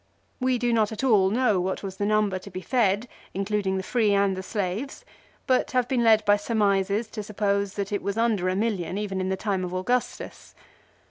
"We do not at all know what was the number to be fed, including the free and the slaves, but have been led by surmises to suppose that it was under a million even in the time of Augustus.